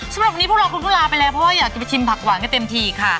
สำหรับวันนี้พวกเราคุณก็ลาไปแล้วเพราะว่าอยากจะไปชิมผักหวานให้เต็มทีค่ะ